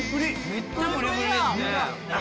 めっちゃプリプリですね。